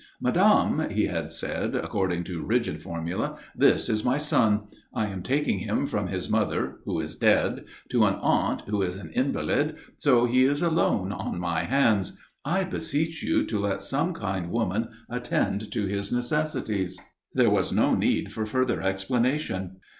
"Madame," he had said, according to rigid formula, "this is my son. I am taking him from his mother, who is dead, to an aunt who is an invalid, so he is alone on my hands. I beseech you to let some kind woman attend to his necessities." There was no need for further explanation.